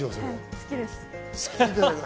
好きです。